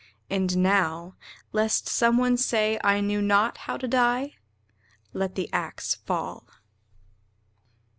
And now Lest some one shall say I knew not how to die, Let the ax fall.